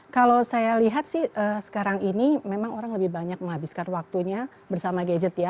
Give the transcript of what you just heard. kalau saya lihat sih sekarang ini memang orang lebih banyak menghabiskan waktunya bersama gadget ya